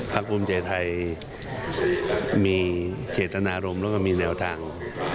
ภูมิใจไทยมีเจตนารมณ์แล้วก็มีแนวทาง